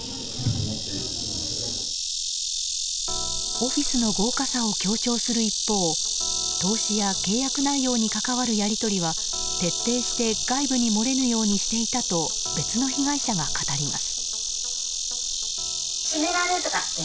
オフィスの豪華さを強調する一方投資や契約内容に関わるやり取りは徹底して外部に漏れぬようにしていたと別の被害者が語ります。